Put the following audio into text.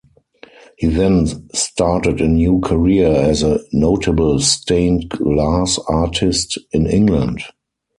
He then started a new career as a notable stained glass artist in England.